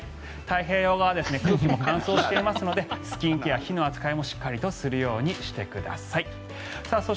太平洋側空気も乾燥していますのでスキンケア、火の扱いもしっかりするようにしてください。